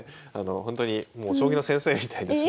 ほんとにもう将棋の先生みたいですね。